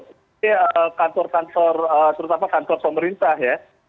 ini kantor kantor terutama kantor pemerintah ya